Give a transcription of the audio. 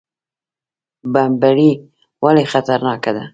بمبړې ولې خطرناکه ده؟